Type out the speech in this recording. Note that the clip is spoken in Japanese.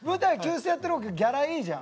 ステやってる方がギャラいいじゃん。